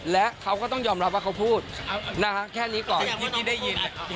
แค่นี้ก่อนที่พี่ได้ยิน